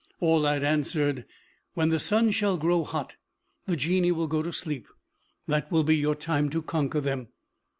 Aulad answered, "When the sun shall grow hot, the Genii will go to sleep. That will be your time to conquer them."